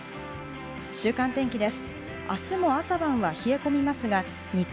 週間天気です。